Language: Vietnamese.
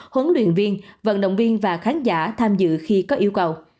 huấn luyện viên vận động viên và khán giả tham dự khi có yêu cầu